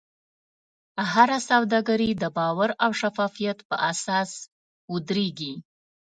هره سوداګري د باور او شفافیت په اساس ودریږي.